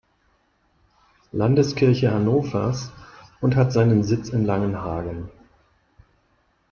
Landeskirche Hannovers und hat seinen Sitz in Langenhagen.